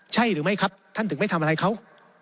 ใช่หรือไม่ครับท่านถึงไม่ทำอะไรเขา